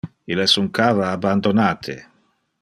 Il es un cava abandonate.